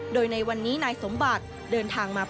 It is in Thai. โดยในวันนี้นายสมบัติ